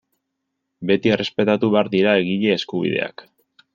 Beti errespetatu behar dira egile-eskubideak.